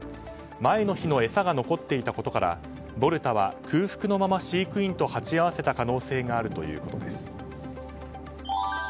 前の日の餌が残っていたことからボルタは空腹のまま飼育員と鉢合わせた可能性があるということです。